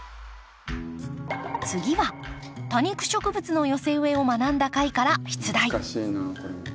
次は多肉植物の寄せ植えを学んだ回から出題。